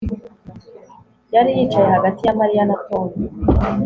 Yari yicaye hagati ya Mariya na Tom